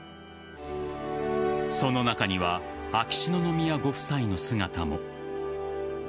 その中には秋篠宮ご夫妻の姿も。